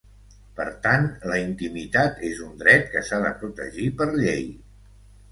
Per tant la intimitat és un dret que s’ha de protegir per llei.